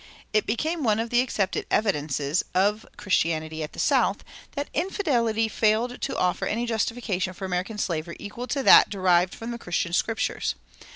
It became one of the accepted evidences of Christianity at the South that infidelity failed to offer any justification for American slavery equal to that derived from the Christian Scriptures.